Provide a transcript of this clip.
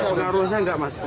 itu pengaruhnya enggak mas